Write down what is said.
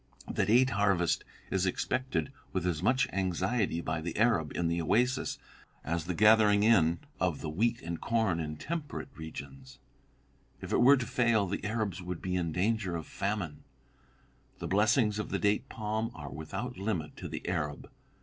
The date harvest is expected with as much anxiety by the Arab in the oasis as the gathering in of the wheat and corn in temperate regions. If it were to fail, the Arabs would be in danger of famine. The blessings of the date palm are without limit to the Arab.